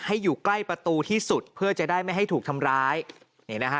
อยู่ใกล้ประตูที่สุดเพื่อจะได้ไม่ให้ถูกทำร้ายนี่นะฮะ